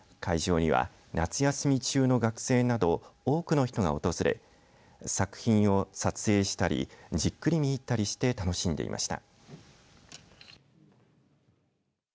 会場には夏休み中の学生など多くの人が訪れ作品を撮影したりじっくり見入ったりして楽しんでいました。